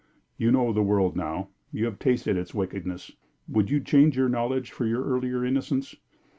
You know the world now; you have tasted its wickedness. Would you change your knowledge for your earlier innocence?